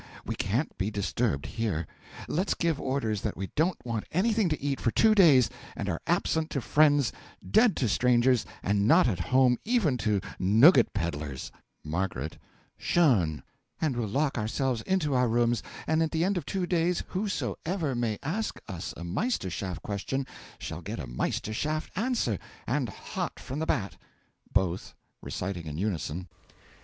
We can't be disturbed here; let's give orders that we don't want anything to eat for two days; and are absent to friends, dead to strangers, and not at home even to nougat peddlers M. Schon! and we'll lock ourselves into our rooms, and at the end of two days, whosoever may ask us a Meisterschaft question shall get a Meisterschaft answer and hot from the bat! BOTH. (Reciting in unison.)